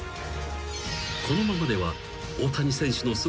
［このままでは］